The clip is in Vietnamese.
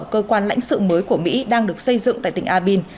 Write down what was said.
cơ quan lãnh sự mới của mỹ đang được xây dựng tại tỉnh abin